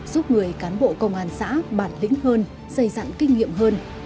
giúp người cán bộ công an xã bản lĩnh hơn xây dặn kinh nghiệm hơn